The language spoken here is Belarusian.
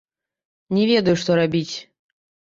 Не ведаю, што рабіць.